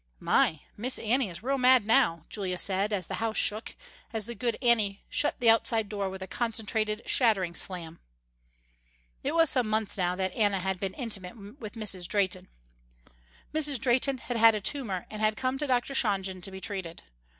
"My, Miss Annie is real mad now," Julia said, as the house shook, as the good Anna shut the outside door with a concentrated shattering slam. It was some months now that Anna had been intimate with Mrs. Drehten. Mrs. Drehten had had a tumor and had come to Dr. Shonjen to be treated.